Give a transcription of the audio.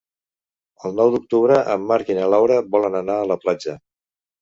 El nou d'octubre en Marc i na Laura volen anar a la platja.